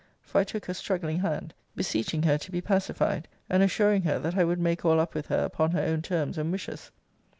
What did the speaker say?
For I took her struggling hand, beseeching her to be pacified; and assuring her, that I would make all up with her upon her own terms and wishes.